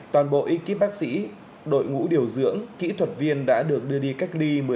toàn bộ y kíp bác sĩ đội ngũ điều dưỡng kỹ thuật viên đã được đưa đi cách ly